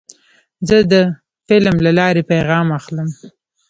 زه د فلم له لارې پیغام اخلم.